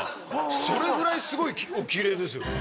それぐらいすごいお奇麗ですよ。